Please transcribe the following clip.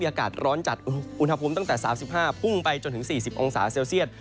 อากาศร้อนจัดอุณหภูมิตั้งแต่๓๕พุ่งไปจนถึง๔๐องศาเซลเซียต